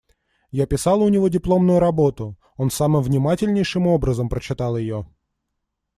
Я писала у него дипломную работу; он самым внимательнейшим образом прочитал ее.